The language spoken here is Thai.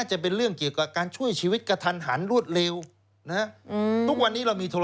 จำเป็นต้องออนไลน์ด้วยไหม